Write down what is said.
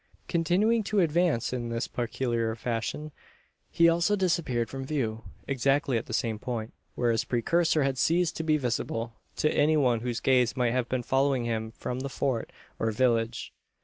Continuing to advance in this peculiar fashion, he also disappeared from view exactly at the same point, where his precursor had ceased to be visible to any one whose gaze might have been following him from the Fort or village.